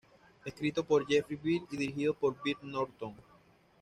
Escrito por Jeffrey Bell y dirigido por Bill L. Norton.